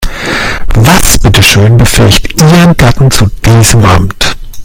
Was bitteschön befähigt ihren Gatten zu diesem Amt?